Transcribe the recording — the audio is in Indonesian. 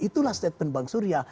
itulah statement bang surya